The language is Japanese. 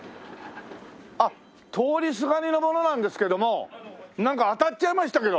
あっ通りすがりの者なんですけどもなんか当たっちゃいましたけど。